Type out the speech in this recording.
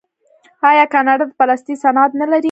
آیا کاناډا د پلاستیک صنعت نلري؟